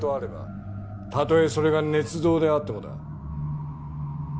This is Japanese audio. たとえそれが捏造であってもだ。